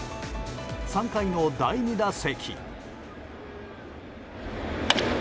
３回の第２打席。